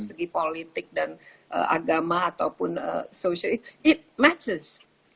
segi politik dan agama ataupun social it matches